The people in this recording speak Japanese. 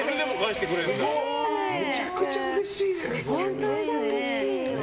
めちゃくちゃうれしいですよね。